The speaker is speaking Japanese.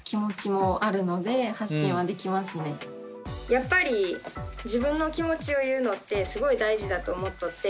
やっぱり自分の気持ちを言うのってすごい大事だと思っとってちょぱは。